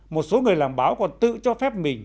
một số người làm báo còn tự cho phép mình